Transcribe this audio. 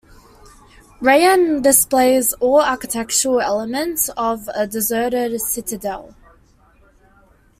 Rayen displays all the architectural elements of a deserted citadel.